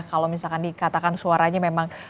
kalau misalkan dikatakan suaranya memang